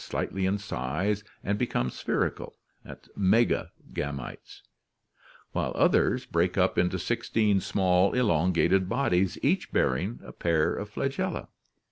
]) slightly in size and 198 ORGANIC EVOLUTION become spherical (megagametes), while others break up into six teen small elongated bodies, each bearing a pair of flagelia.